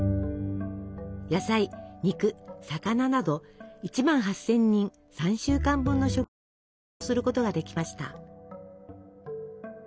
野菜肉魚など１万８，０００人３週間分の食料を貯蔵することができました。